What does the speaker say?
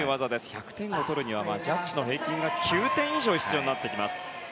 １００点を取るにはジャッジの評価が９点以上必要になってきます。